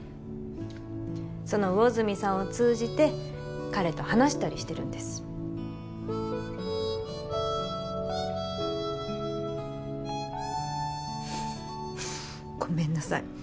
その魚住さんを通じて彼と話したりしてるんですごめんなさい